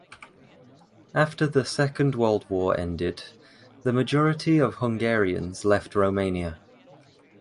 After the Second World War ended, the majority of Hungarians left Romania.